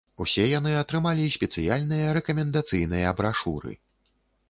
Усе яны атрымалі спецыяльныя рэкамендацыйныя брашуры.